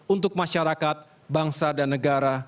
untuk masyarakat bangsa dan negara